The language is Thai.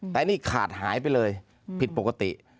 แต่นี่ขาดหายไปเลยผิดปกติ